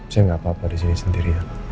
saya gak apa apa disini sendiri ya